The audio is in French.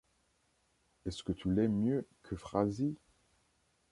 Est-ce que tu l’aimes mieux qu’Euphrasie ?